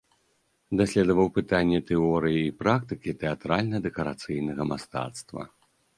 Даследаваў пытанні тэорыі і практыкі тэатральна-дэкарацыйнага мастацтва.